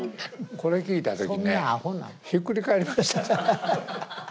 これ聴いた時ねひっくり返りました。